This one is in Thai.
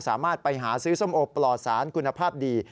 สามารถไปหาซื้อส้มโอปลอดสารคุณภาพดี